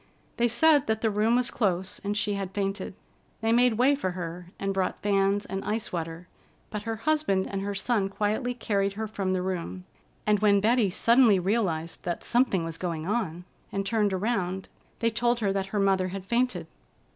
They said that the room was close, and she had fainted. They made way for her and brought fans and ice water, but her husband and her son quietly carried her from the room, and when Betty suddenly realized that something was going on, and turned around, they told her that her mother had fainted.